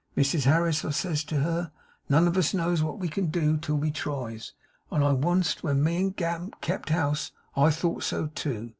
"Mrs Harris," I says to her, "none on us knows what we can do till we tries; and wunst, when me and Gamp kept 'ouse, I thought so too.